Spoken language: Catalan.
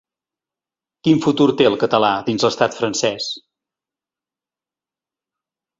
Quin futur té el català dins l’estat francès?